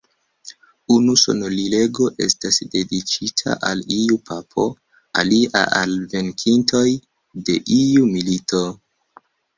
Unu sonorilego estas dediĉita al iu Papo, alia al la venkintoj de iu milito.